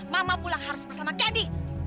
mama pulang harus bersama candi